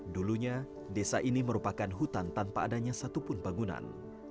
dulunya desa ini merupakan hutan tanpa adanya satupun bangunan